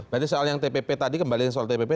jadi soal yang tpp tadi kembali soal tpp